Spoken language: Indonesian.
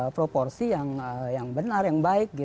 proporsi yang benar yang baik